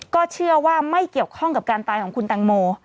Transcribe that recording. ก็เชื่อว่าไม่เกี่ยวข้องกับการตายของคุณแตงโม